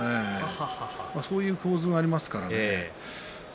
そういう構図がありますからね。